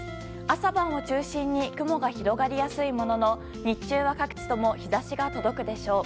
朝晩を中心に雲が広がりやすいものの日中は、各地とも日差しが届くでしょう。